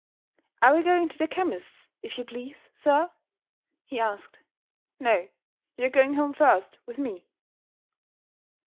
"Are we going to the chemist's, if you please, sir?" he asked. "No. You are going home first, with me."